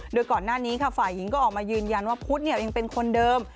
โดยก่อนหน้านี้ค่ะฝ่ายหญิงก็ออกมายืนยันว่าพุทธยังเป็นคนเดิม